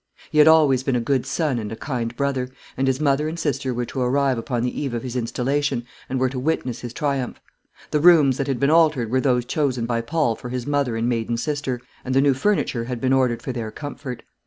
He had always been a good son and a kind brother; and his mother and sister were to arrive upon the eve of his installation, and were to witness his triumph. The rooms that had been altered were those chosen by Paul for his mother and maiden sister, and the new furniture had been ordered for their comfort.